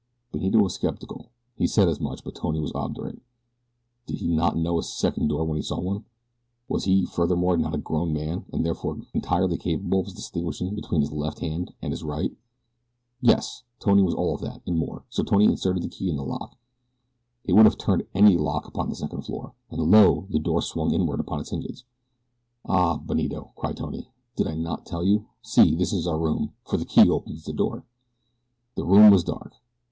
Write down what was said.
Benito was skeptical. He said as much; but Tony was obdurate. Did he not know a second door when he saw one? Was he, furthermore, not a grown man and therefore entirely capable of distinguishing between his left hand and his right? Yes! Tony was all of that, and more, so Tony inserted the key in the lock it would have turned any lock upon the second floor and, lo! the door swung inward upon its hinges. "Ah! Benito," cried Tony. "Did I not tell you so? See! This is our room, for the key opens the door." The room was dark.